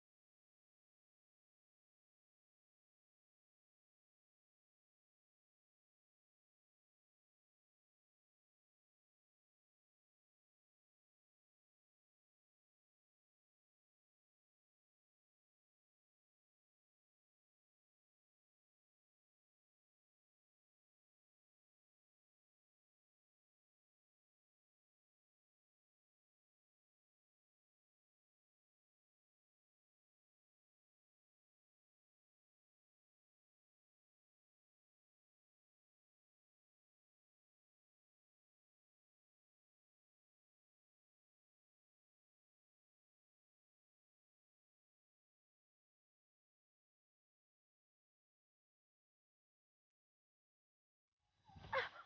saya berharap primimu tw antoinette makin keras